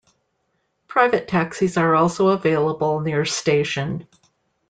Private taxis are also available near station.